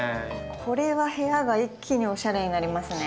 これは部屋が一気におしゃれになりますね。